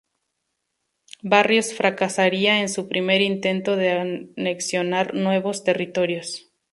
Barrios fracasaría en su primer intento de anexionar nuevos territorios.